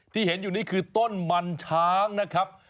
ที่เห็นอยู่นี่คือต้นมันช้างนะครับ